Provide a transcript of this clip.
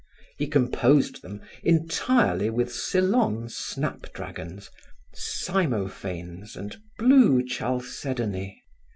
He composed them entirely with Ceylon snap dragons, cymophanes and blue chalcedony.